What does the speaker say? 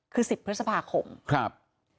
คือ๑๐พฤษภาคม